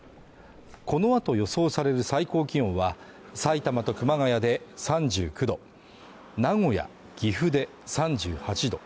このあと予想される最高気温は、さいたまと熊谷で３９度名古屋、岐阜で３８度。